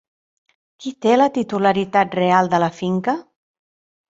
Qui té la titularitat real de la finca?